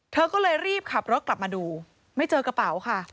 เธอก็เลยรีบขับรถกลับมาดูไม่เจอกระเป๋าค่ะ